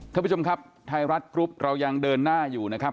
ท่านผู้ชมครับไทยรัฐกรุ๊ปเรายังเดินหน้าอยู่นะครับ